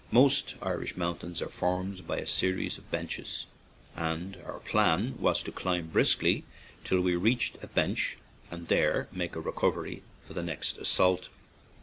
Most Irish mountains are formed by a series of benches, and our plan was to climb briskly till we reached a bench and there make a recovery for the next as sault.